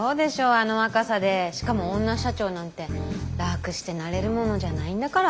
あの若さでしかも女社長なんて楽してなれるものじゃないんだから。